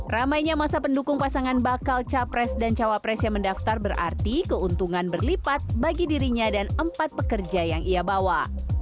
ramainya masa pendukung pasangan bakal capres dan cawapres yang mendaftar berarti keuntungan berlipat bagi dirinya dan empat pekerja yang ia bawa